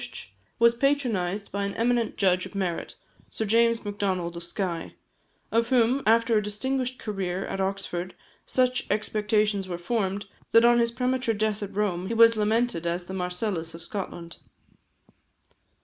Jan Macodrum, the Bard of Uist, was patronised by an eminent judge of merit, Sir James Macdonald of Skye, of whom, after a distinguished career at Oxford, such expectations were formed, that on his premature death at Rome he was lamented as the Marcellus of Scotland.